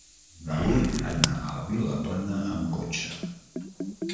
Vull anar a Vilaplana amb cotxe.